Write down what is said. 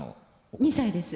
２歳です。